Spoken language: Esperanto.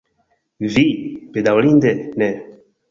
Vi, bedaŭrinde, ne.